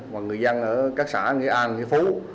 và người dân ở các xã nghệ an nghĩa phú